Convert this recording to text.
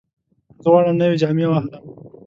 زه غواړم نوې جامې واخلم.